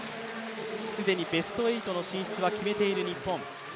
既にベスト８の進出は決めている日本。